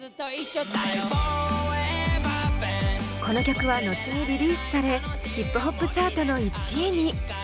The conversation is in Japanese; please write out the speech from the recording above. この曲は後にリリースされヒップホップチャートの１位に。